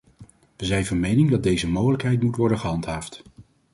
Wij zijn van mening dat deze mogelijkheid moet worden gehandhaafd.